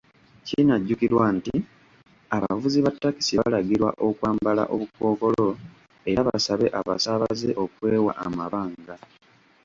Kinajjukirwa nti, abavuzi ba takisi balagirwa okwambala obukookolo era basabe abasaabaze okwewa amabanga.